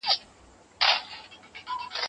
صحابه وو د غریبانو سره ډېره مرسته کوله.